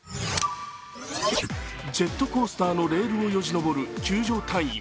ジェットコースターのレールをよじ登る救助隊員。